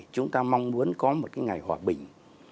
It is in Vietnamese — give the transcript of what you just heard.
chúng ta mong muốn có một cái ngày hòa bình